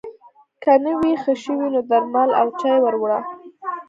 که نه وي ښه شوی نو درمل او چای ور وړه